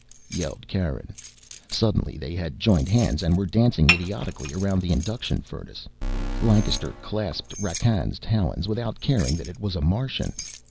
yelled Karen. Suddenly they had joined hands and were dancing idiotically around the induction furnace. Lancaster clasped Rakkan's talons without caring that it was a Martian.